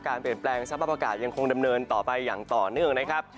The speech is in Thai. เปลี่ยนแปลงสภาพอากาศยังคงดำเนินต่อไปอย่างต่อเนื่องนะครับ